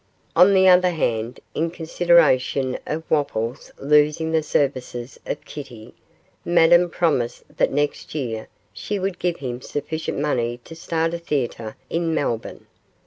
On the other hand, in consideration of Wopples losing the services of Kitty, Madame promised that next year she would give him sufficient money to start a theatre in Melbourne.